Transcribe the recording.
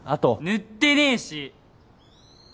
塗ってねぇし！